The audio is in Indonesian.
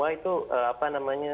wah itu apa namanya